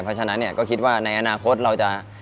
เพราะฉะนั้นเนี่ยก็คิดว่าในอนาคตเราจะ